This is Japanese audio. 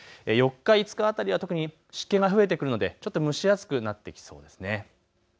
４日、５日辺りは特に湿気が増えてくるので蒸し暑くなってきそうです。